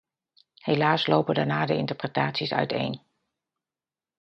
Helaas lopen daarna de interpretaties uiteen.